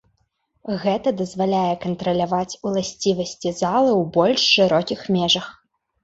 Гэта дазваляе кантраляваць уласцівасці залы ў больш шырокіх межах.